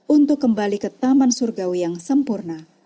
untuk kembali ke taman surgawi yang sempurna